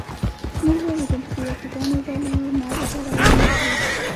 موږ ولیدل چې د یهودانو ډلې یې مرګ ته روانې کړې